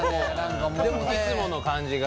いつもの感じが。